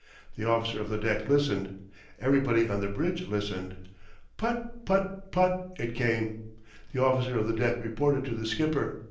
The officer of the deck listened. Everybody on the bridge listened. Putt! putt! putt! it came. The officer of the deck reported to the skipper.